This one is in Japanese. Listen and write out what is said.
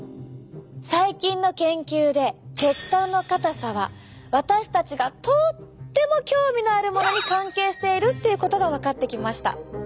最近の研究で血管の硬さは私たちがとっても興味のあるものに関係しているっていうことが分かってきました。